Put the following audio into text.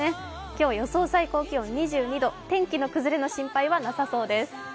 今日、予想最高気温２２度天気の崩れの心配はなさそうです。